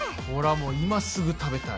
もう今すぐ食べたい。